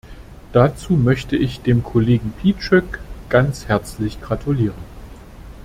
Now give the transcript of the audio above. Dazu möchte ich dem Kollegen Piecyk ganz herzlich gratulieren.